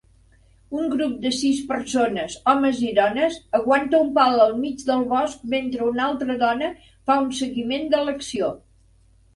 Un grup de sis persones, homes i dones, aguanta un pal enmig del bosc mentre una altra dona fa un seguiment de l'acció.